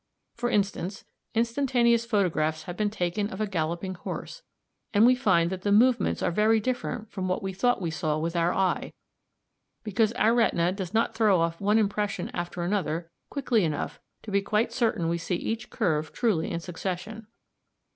For instance, instantaneous photographs have been taken of a galloping horse, and we find that the movements are very different from what we thought we saw with our eye, because our retina does not throw off one impression after another quickly enough to be quite certain we see each curve truly in succession.